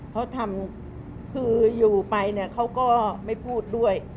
เขาทำคืออยู่ไปเนี่ยเขาก็ไม่พูดด้วย